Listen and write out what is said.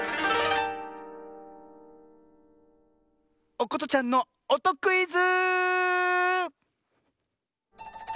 おことちゃんのおとクイズ！